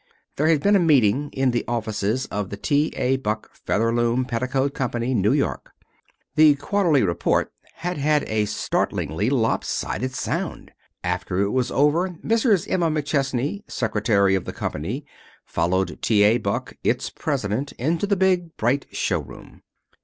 There had been a meeting in the offices of the T. A. Buck Featherloom Petticoat Company, New York. The quarterly report had had a startlingly lop sided sound. After it was over Mrs. Emma McChesney, secretary of the company, followed T. A. Buck, its president, into the big, bright show room.